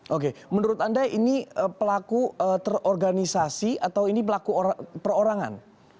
oke menurut anda ini pelaku terorganisasi atau ini pelaku perorangan